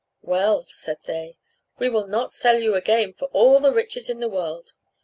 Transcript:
"Well," said they, "we will not sell you again for all the riches in the world."